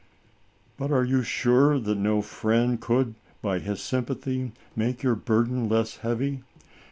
"But, are you sure that no friend could, by his sympathy, make your burden less heavy?